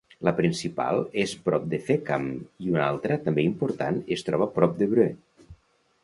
La principal és prop de Fécamp i una altra també important es troba prop d'Évreux.